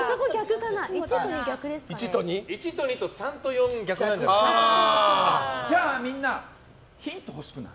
１と２と３と４が逆なんじゃない。